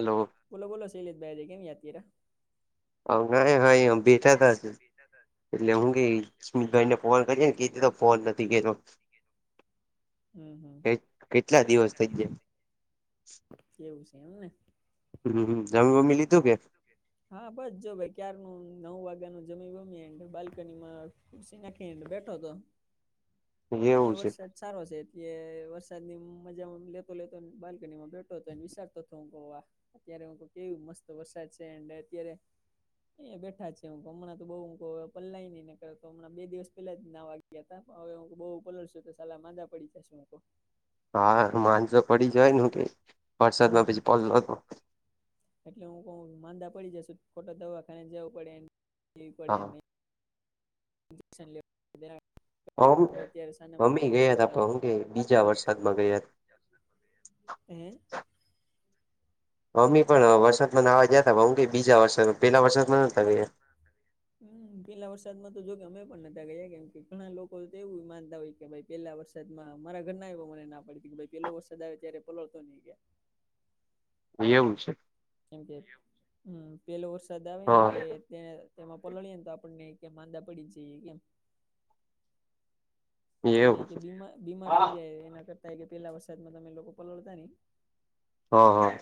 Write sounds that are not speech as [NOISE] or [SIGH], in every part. Hello બોલો બોલો શૈલેિત ભાઈે કેમ યાતીરા હ હા હા હ બેઠા તો છે એટલે હું ગઈ સ્મિત ભાઈને ફોન કરી ને કીધી તો ફોન નથી ગતો હમ હમ કે કેટલા દિવસ થઇ જાય કેવું છે એમ ને હમમ અમમે મમી લીધું કે હા બસ જો ભ ક્યારનું નવ વાગ્યા ન જમી ગમી બાલ્કનીમાં ખુસનાખ બેટો હતો [INAUDIBLE] અહં એવું છે વરસાદ સારો છે એટલે વરસાદ ની મજામાં લેતો લેતો બાલ બેઠો હતોને વિચારતો હતો હું કહ અત્યારે હહ કેવું મસ્ત વરસાદ છે એડ અત્યારે અંયા બેઠા છે હું હમણાં તો બુ હું પલાય નઈને કરે હમણાં બે દિવસ પેલા જ ના વાગે હવે હું બહુ બલડ છું તો સાલા માંજા પડી જશે હું હા માંસો પડી જાય ન કે હમ. વરસાદમાં પછી પડલો હતો એટલે હું ક માંદા પડી જશુ ખોટા દવાખાને જવું પડેવી પડે હા નહી ન્જેક્ને આમ અત્યારે મમ્મી ગયા હતા પણ હું કે બીજા સાનાનાાર વરસાદમાં ગયા હમ મમ્મી પણ વરસાદમાં ન આવવા ગયા હતા હ હું ક બીજા વરસામાં પેલા વરસાદમાં નતા ગ હમ પેલા વરસાદ માં તો જો કે અમે પણહતા ગયા કેમ કે ઘણા લોકો તો એવું માનતા હોય કે ભાઈ પેલારસાદ માં મારા ઘરના એ મને ના પડતી કે પેલો વરદ આવે્યો ત્યારે પલળતો નઈ ગયા એવું છે કેમ કે હમ પેલો વરસાદ આવે ને હા તે તેને તેમાં પલા લઈએને તો આપણને કેમ માંંદા પડી જઈ કેમ એટલે એવું કે બીમા બીમાર થઇ હા જાય એના કરતા કે પેલા વરસાદમાં તમે લોકો પલળતા ની હ હા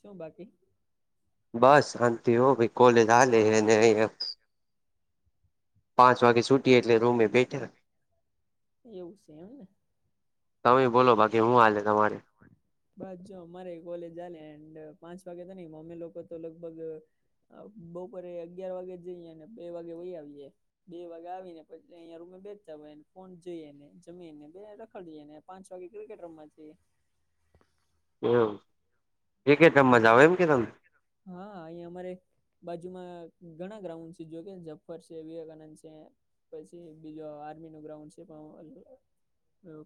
શું બાકી બસ આંત હો ભી કોલલે એ પાંચ વાગે છૂટી એટલે રૂમે બેઠે એવું છે એમ તમે બોલો. બાકી હું હાલે તમારે? બસ જો અમારે કોલેજા હાલે, એન્ડ પાંચ વાગે તો નઈ અમે લોકો તો લગભગ અબ બપોરે અગિયાર વાગે જઈએ અને બે વાગે વહી આવીએ. બે વાગે આવી ને પછી અહીંયા રૂમે બેઠતા હોય, અને ફોન જોઈએ ને, જમીએને, બેહ રખડીએ ને પાંચ વાગે ક્રિકેટરમાંથી એમ કે કે તમ મજા હમ. આવે એમ કે તમ હા અહીં અમારે બાજુમાં ઘણા ગ્રાઉન્ડ છે. જો કે જઝફ્ફર છે. વિવેકાનંદ છે. પછી બીજો આર્મી નું ગ્રાઉન્ડ છે. પણ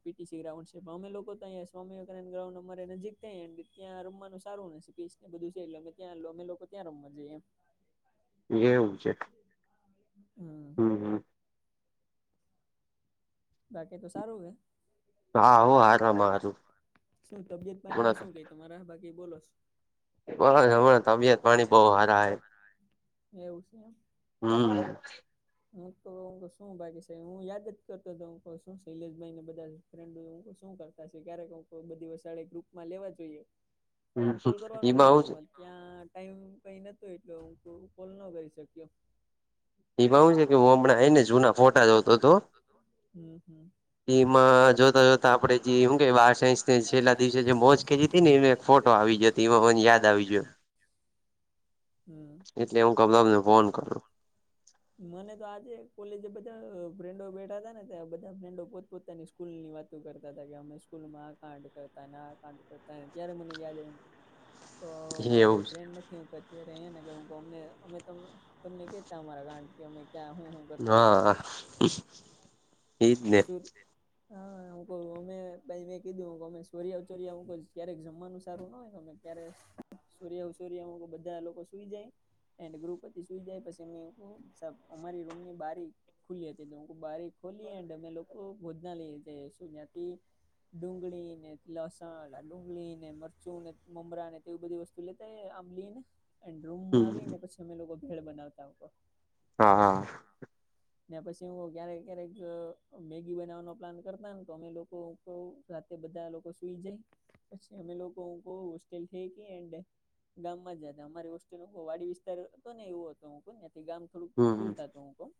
પીટીસી ગ્રાઉન્ડ છે પણ અમે લોકો તોહીં સ્વામી વિવેકનંદ ગ્રઉન્ડ અમારે નજીક થાય ત્યાં રમનું સારું ને, સ પીચ ને બધું છે, એટલે ત્યાં, લો અમે લોકો ત્યાં રમવા જઈએ એમ. આવું છેે. હમ હમ્મ-હમ્મ. બાકી તો સારું હે. હા હો હારામાં હારું શું તબિયત પાણીને શું કેય? તમારા બાકી બોલોસ હમણાં હમણાં તબિયત પાણી બહુ હારા હે એવું સે એમ. હા. હું તો હવે શું બાકી સે, હું યાદ જ કરતો તો, હું કહું શું શૈલેષભાઈ ને બધા ફ્રેન્ડું એવું શું કરતા સે, ક્યારેક હું બધી વસાળે ગ્રુપમાં લેવા જોઈએ. હું કોલ હમ્મ-હમ્મ. કરવાનો જ એમાં હતો એવું છે પણ ત્યાં ટાઈમ કઈ નતો એટલે હું કોલ ન કરી શક્યો. એમાં હું છે એમાં હું છે હું હમણાં જઈને જુના ફોટા જોતો તો, હમ્મ-હમ્મ. એમાં જોતા-જોતા આપડે જી હું કે બાર સાયન્સની છેલ્લા દિવસે જે મોજ કયરી તી ને એ [UNINTELLIGIBLE] ફોટો આવી ગયો, તો એમાં મને યાદ આવી ગયો. હમ એટલે હું [UNINTELLIGIBLE] ફોન કરું. મને તો આજે કોલેજે બધા અહ ફ્રેન્ડો બેઠા તા ને ત્યા બધા ફ્રેન્ડો પોતપોતાની સ્કૂલ ની વાતો કરતા તા, કે અમે સ્કૂલમાં આ કાંડ કરતાને, આ કાંડ કરતા, ત્યારે મને યાદ આયવું. [INAUDIBLE] તો મારા એવું કોઈ છે. ફ્રેન્ડ નથી, હું [UNINTELLIGIBLE] અત્યારે અહિયાં ને ગમને અમે તમા, તમને કેત અમારા કાંડ કે અમે ક્યાં હું-હું હા. એજ ને [UNINTELLIGIBLE] [INAUDIBLE] [UNINTELLIGIBLE] અમે ભાઈ મેં કીધું કે અમે સોર્યા ચોર્યાવ હું [UNINTELLIGIBLE] ક્યારેક જમવાનું સારું હોય અમે ત્યારે સૂર્યોસૂર્યમાં બધા લોકો સુઈ જાય. એન્ડ ગૃહપતી સુઈ જાય, પછી અમે સબ અમારી રૂમ ની બારી ખુલી હતી, તો હું બારી ખોલી એન્ડ અમે લોકો ભોજના લઈ [UNINTELLIGIBLE] ડુંગળીને, લસણ, એલાં ડુંગળી ને, મરચું ને, મમરા ને તેવી બધી વસ્ તો લેતાઈ આંબલીને, એન્ડ રૂમમાં હમ આવીને પછી અમે લોકો ભેળ બનાવતા ઉપર. હા, હા. ને પછી હું ક્યારેક-ક્યારેક અહ મેગી બનાવવાનો પ્લાન કરતા ને, તો અમે લોકો ક રાતે બધા લોકો સુઈ જાય પછી અમે લોકો કો હોસ્ટેલ ઠેકીન એન્ડ ગામમાં જાતા, અમારી હોસ્ટેલ હું વાડી વિસ્તાર હતો ને એવું હતો, હું કઉંન ન્યાંથી ગામ થોડુંક હમ દૂર થાતું હું કઉં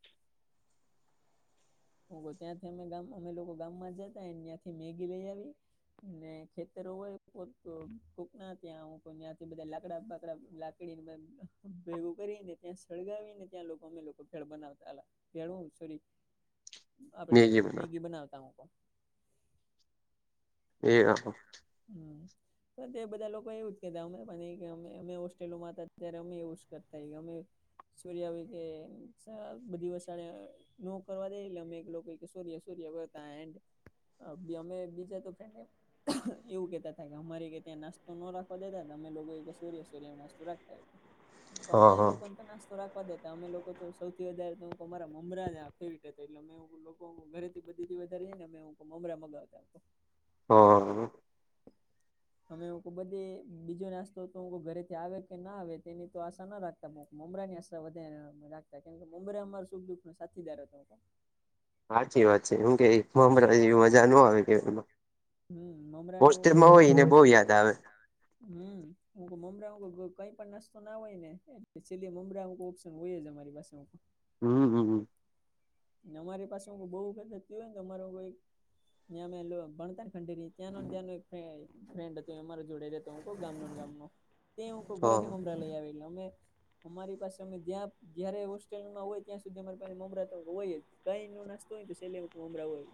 હું બ ત્યાંથી અમે ગામ અમે લોકો ગામમાં જાતા એન્ડ ન્યાંથી મેગી લઈ આવી ને ખેતરો હોય કોક, કોક ના ત્યાં હું કઉં ન્યાંથી બધા લાકડા બાકડા લા [UNINTELLIGIBLE] ભેગું કરીને ત્યાં સળગાવીને ત્યાં લોકો અમે લોકો ભેળ બનાવતા એલાં. [UNINTELLIGIBLE] સોરી આપડે મેગી બનાવતા હું કઉં. એવું. હમ્મ. તે બધા લોકો એવું જ કેતા અમે પણ એમે અમે હોસ્ટ્રેલમાં હતા ત્યારે અમે એવું કરતા અમે સૂર આવી કે બધી વસાળ નો કરવા દે અમે લોકો સૂર્ય સૂર્ય કરતા એડ અબી અમે બીજા તો ફ્રેન્ડ એમ એવું કહેતા તા કે હમારેય કે ત્યાં નાસ્તો ન રાખવા દેતાન તો અમે લોકો ઈ કહે સૂર્ય-સૂર્ય માં નાસ્તો રાખતા ઈ કહે. [INAUDIBLE] તો અમે હા લોકોન તો નાસ્ત તો રાખવા દેતા, અમે લોકો તો સૌથી વધારે તો લોકો અમારા મમરા આ ફેવરીટ હતા, એટલે અમે એવું લોક ઘરેથી બધી વધારે ને અમે મમરા મગાવતા હા. અમે હું બધે બીજો નાસ્તો તો હ ઘરેથી આવે કે ના આવે તેની તો આશા ના રાખ. મુંમરાની આશા વધે રાખતા કેમ કે મુંબરા અમાર સુખ દુઃખ સાથીદારો હતો. સાચી વાત છે એમ કેમરા જેવી મજા ન આવે કેમાં હમ મમરા નેુંને બહુ યાદ આવે હમ હું મમરાું કઈ પણ નાસ્તો ના હોય ને છેલ્લી મમરા. જ અરી પાસે હમ હમ હમ અમારી પાસેઈ બહુ ફેર થતી હોય ને તો અર કોઈ ત્યાં અમે ભણત ખંડેરી ત્યાં ત્યાં ફન્ડ હતું અ જોડે. ગામનો ગામ ન તે હું ઘરે થી હા મમરા લઈ આવે અમે અમારી પાસે અમે જ્યાં જયારે હોસ્ટેલમાં હોય ત્યાં સુધી અમારે પાસે મોબરાતા હો હોય કઈ નો નાસ્તો હોય તો સેલેમરા હોય.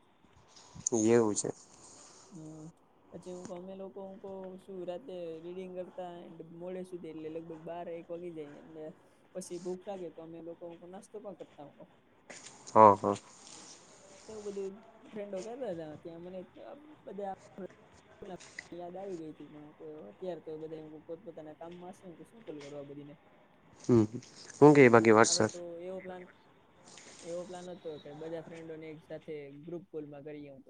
એવું છે. હમ. પછી હું અમે લોકો હ કહ શું રાતે રીડિંગ કરતા એ મોડે સુધી એટલે લગભગ બાર એક પગી જાય એ પછી ભૂખ લાગે તો અમે લોકો નાસ્તો પણ કરતા હો. હમ હા. એવું બધું ફ્રેન્ડો કરતા હતા ત્યાં મને બધા. બલા યાદ આવી ગઈ હતી પણ હુંઈ અત્યારે તો બધા પોતપોતાના કામમાં હશે શુંકુલ કરવા બધી ને હમ હું કે બાકી મારો વરસાદ તો એવો પ્લાન એવો પ્લાન હતો કે બધા ફ્રેન્ડો ને એક સાથે ગ્રુપ કોલમાં કરીએ હું.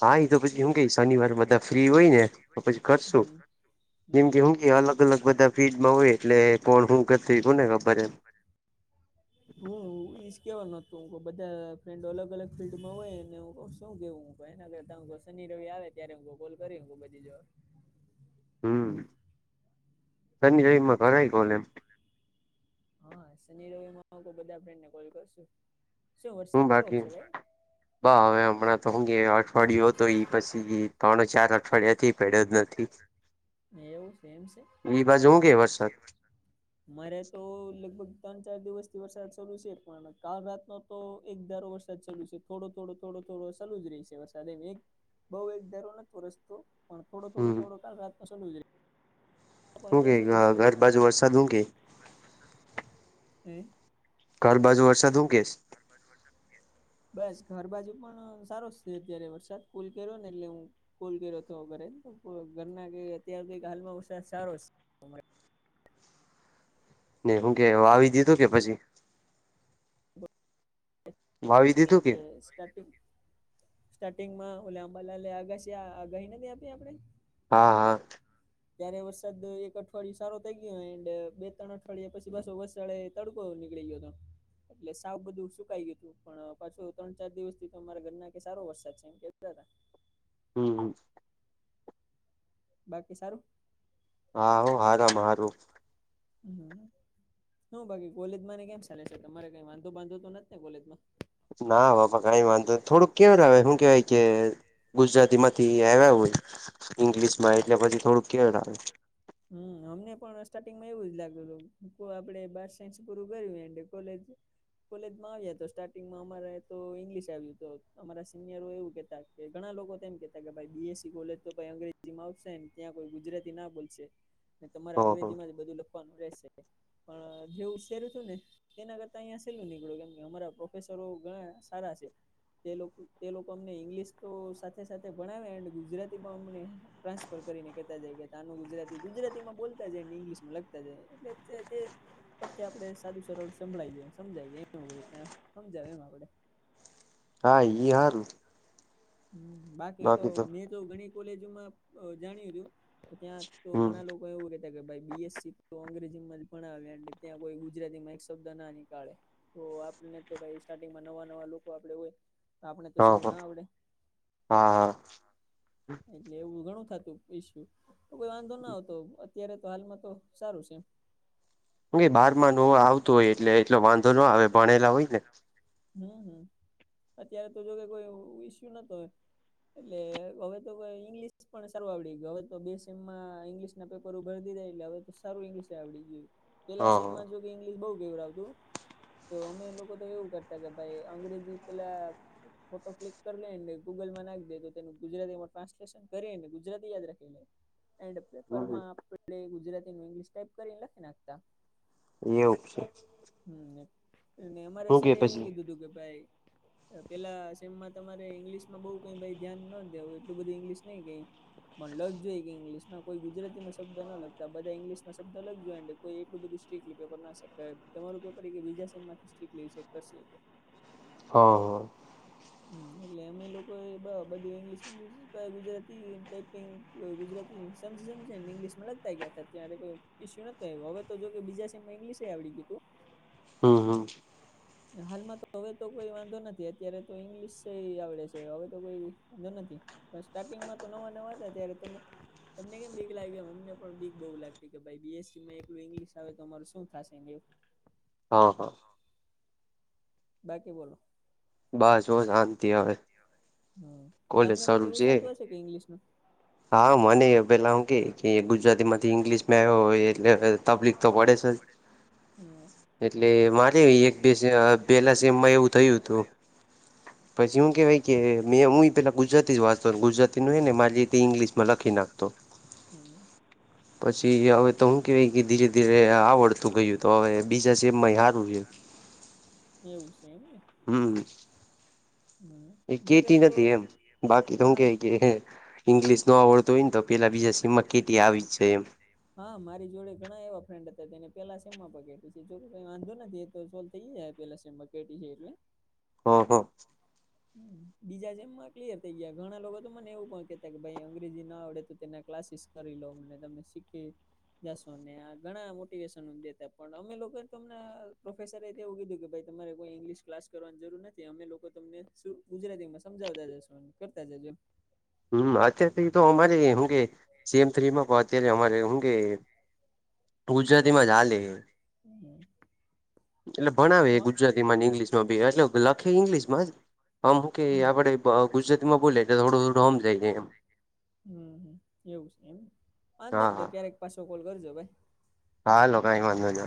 હા એ તો પછી હું કઈ શનિવાર બધા ફ્રી હોય ને તો પછી કરશું. હમ જેમ કે હમ શું કે અલગ અલગ બધા ફિલ્ડમાં હોય એટલે પણ હું ગત થું ને ખબર એમ. [INAUDIBLE] હું ઈશ કેહેવા નતું કે બધા ફ્રેન્ડો અલગ અલગ ફિલ્ડમાં હોય ને હ શું કેવું? એગર ત શનિ રવિ આવે ત્યારે હ કોલ કરી હ બધી જો. હમ શની જઈમાં ઘરાય કોલ એમ. હા શનિ રવિમાંઈ બધા ફ્રેન્ડ ને કોલ કરશું. ક ઓ છે ભ બ હવે હમણાં તો અંગ અઠવાડિયયો તો ઈ પછી ત્રણ ચાર અઠવાડિયાથી પેડે જ નથી. [INAUDIBLE] એવું ફેમ છેવું ઈ બાજુ હું કે વરસાદ કે? મારે તો લગભગ ત્રણ ચાર દિવસથી વરસાદ શાલુ છે પણ કાલ રાતનો તો એક ધારો વરસાદ ચાલુ છે થોડો થોડો થોડો થોડો ચાલ જ રહીશે વરસાદ એમ એક બઉ એક ધારો નથી રસ્તો પણ થોડો થોડો હમ થોડો [UNINTELLIGIBLE] હું કે ઘર બાજુ વરસાદ હું કે બસ વરસાદ શું કે હમ ઘર બાજુ વરસાદ હું કેશ ઘર બાજુ વરસાદ શું કે બસ ઘર બાજુ પણ સારો જ છે અત્યારે વરસાદ કુલ કર્યો ને એટલે હું કુલ કર્યો હતો ઘરે તો ઘરના ક અત્યાર કઈ હાલમાં વસાદ સારો છે. ને હું કે વાવી દીધું કે પછી તો વાવી કેમ દીધું કે સ્ટાર્ટિંગ. સ્ટાર્ટિંગમાં ઓલા આંબાલાલ [UNINTELLIGIBLE] આગાહી નથી આપી આપડે હા હા ત્યારે વરસાદ એક અઠવાડીયુ સારો થઈ ગયો એન્ડ બે ત્રણ અઠવાડિયે પછી પાછો વસાડે તડકો નીકળી ગયો હતો. એટલે સાવ બધું સુકાઈ ગયું હતું પણ પાછું ત્રણ ચાર દિવસ થી અમારા ઘર ના સારો વરસાદ છે એમ કેતા. હમ, હમ. બાકી સારું? હા, હો હારા માં હારું. હમ. શું બાકી કોલેજ ને કેમ ચાલે છે તમારે કઈ વાંધો બાંધો તો નથી ને કોલેજમાં? ના બાપા કઈ વાંધો થોડુંક કેવરાવે હું કે કે ગુજરાતી માંથી આવ્યા હોય ઈંગ્લિશ માં એટલે પછી થોડુંક કેવળાવે. [INAUDIBLE] હમ અમને પણ સ્ટાર્ટિંગમાં એવું જ લાગતું હતું આપડે બાર સાયન્સ પૂરું કર્યું એ કોલેજ કોલેજમાં આવ્યા તો સ્ટાર્ટિંગમાં અમારે તો ઇંગ્લિશ આવ્યું તો અમારા સિનિયરો એવું કેતા કે ઘણા લોકો તેમ કેતા કે ભાઈ બીએસસી કોલેજ તો ભાઈ અંગ્રેજી આવશે ત્યાં કોઈ ગુજરાતી ના બોલશે ને તમારે હ અંગ્રેજી હ માં જ બધું લખવાનું રહેશે. પણ જેવું [UNINTELLIGIBLE] હતું ને તેના કરતા અહીં છેલ્લું નીકળ્યું કેમ કે અમારા પ્રોફેસરો ઘણા સારા છે. તે લોકો તે લોકો અમને ઇંગ્લિશ તો સાથે સાથે ભણાવે અને ગુજરાતી પણ અમને ટ્રાન્સફર કરીને કેતા જાય કે તનું ગુજરાતી ગુજરાતી માં બોલતા જાય ને ઇંગ્લશમાં લખતા જાય [UNINTELLIGIBLE] પરતે આપડે સાદું સરળ સંભાળી જાયએ સમજાય જાય એમ રીતે સમજાવે એમ આપડે. હા ઈ હારુ. હ બાકી તો મેં તો ઘણી કોલેજોમાં જાણ્યું હતું ત્યાં તો હમ ઘણા લોકો કો એવું કેતા કે ભાઈ બીએસસી તો અંગ્રેજીમાં જ ભણાવ્યા ત્યાં કોઈ ગુજરાતી માં એક શબ્દ ના નીકાળે. તો આપને તો ભાઈ સ્ટાર્ટિંગમાં નવા નવા લોકો આપડણે હોય તો આપણે તો હા સીધું હા ના આવડે. [INAUDIBLE] એટલે એવું ઘણું થતું ઈશું. તો કોઈ વાંધો ના આવતો અત્યારે તો હાલમાં તો સારું છે. બારમાં ન આવતું હોય એટલે એટલો વાંધો ન આવે ભણેલા હોય ને. હમ, હમ અત્યારે તો જોકે કોઈ ઈસ્યુ નતો. એટલે હવે તો ઈંગ્લિશ પણ સારુ આવડી ગયુ હવે તો બે સેમમાં ઇંગ્લિશ પેપર ભરદીથા એટલે હવે તો સારું ઈંગ્લિશ આવડી ગયું પેલા હ સેમમાં જો ઇંગ્શ બહુ કેવળાવતું. તો અમે લોકો તો એવું કરતા કે ભાઈ અંગ્રેજી પેલા ફોટો ક્લિક ને ગૂગલ માં નાખી દે તો તેનું ગુજરાતી માં ટ્રાન્સલેશન કરીએ ને ગુજરાતી યાદ રાખી લે. એન્ડ પેપર માં હ આપણે ગુજરાતી ઇંગ્લિશ ટાઈપ કરીને લખી નાખતા. એવું છે. હમ અમારે હું સર કે એવું પછી કીધું હતું કે ભાઈ પેલા સેમ તમારે ઈંગ્લિશમાં બહું કઈ ધ્યાન ન દે એટલું બધું ઈંગ્લશ નહીં કઈ. પણ લગ જોઈએ કે ઇંગ્લિશ માં કોઈ ગુજરાતીમાં શબ્દ ના લગતા બધા ઈંગ્લિશમાં શબ્દ લખજો કોઈ એટલું બધું સ્ટ્રીિક્ટલી પેપર ના ચેક કરે તમારું પેપર એ બીજા સેમથી સ્ટલી કરશે. હા, હા. હમ એટલે અમે લોકો એ બધું ઈંગ્લિશ ઇંગ્લિશ કઈ ગુજરાતી ટાઈપિંગ ગુજરાતી સમજી સમજ ને ઇંગ્લિશ માં લગતા ગયા હતા ત્યારે કોઈ ઈસ્યુ નથી આવ્યો હવે તો જો કે બીજા ઇંગ્લશ આવડીધું. હમ હમ હાલમાં તો હવે તો કોઈ વાંધો નથી અત્યારે તો ઈંગ્લિશ આવડે છે હવે તો કોઈ વાંધો નથી. પણ સ્ટાર્ટિંગમાં તો નવા નવા હતા ત્યારે તમે તમને કેમ બીક લાગ્યું અમને પણ બીક બહુ લાગતી કે ભાઈ બીએસસી માં એકલું ઇંગ્લિશ આવે તો અમાર શું થશે. હા, હા. બાકી બોલો. બસ હો શાંતી હવે. હમ કોલેજ તમને પણ શરૂ એવું છે. સાચું હશે કે ઇંગ્લિશ ન મને હા પેલા હું મનેેમ કે ગુજરાતી ઈંગ્લિશ માં માંથી આવ્યો હોય એટલે ઇંગ્લશમાં તકલીફ તબલી તો છે જ. પડે હમ એટલે મારે એક બે પહેલા સેમમાં એવું થયું હતું. પછી શું કેવાય કે મેં હું પેલા ગુજરાતી વાંચતો ગુજરાતી ન હ ને મારી ઇંગ્લિશ માં લખી નાખતો. હમ પછી હવે તો હું કેવાય કે ધીરે ધીરે આવડતું ગયું તો હવે બીજા સેબમાં હારું છે. એવું છે એમ ને હમ એ નગર કેતી તો નથી એમ બાકી તોમ ના કેય કે ઈંગ્લિશ ન આવડું હોય ને તો પેલા બીજા સીમમાં કેટી આવી જ છે એમ હા મારી જોડે ઘણા એવા ફ્રેન્ડ હતા તેને પેલા સેમાં પગડી છે જોઈ વાંધો નથી એ તો થઈ પેલા શમાં કેટી છે એટલે હા હા બીજા જેમમાં ક્લિયર થઈ ગયા ઘણા લોકો તો મને એવું પણ કેતા કે ભાઈ અંગ્રેજી ના આવડે તો તેના ક્લાસીસ કરી લો મને તમને શીખી. દસો ને આ ઘણા મોટિવેશન દેતા પણ અમે લોકો તો તમને પ્રોફેસરે એવું કીધું કે તમારે કોઈ ઈંગ્લિશ ક્લાસ કરવાની જરૂર નથી અમે લોકો તમને શું ગુજરાતી માં સમજાવતા જશો અને કરતા જજો. હમ અછા એ તો અમારે હુંગે સીએમ થ્રીમાં પહચ હુંગે. ગુજરાતી માં જ હાલે હમ એટલે ભણાવે ગુજરાતી. ઇંગ્શ માં ભ એટ લખે ઇંગ્લિશમાં જ હમું કે આપડે ગુજરાતી માં બોલીટલે થોડું થોડુંમ. હમ એવું છે એમ હા આંધ તો હા કે કોલજો. હાલો કાંઈ વાંધો ના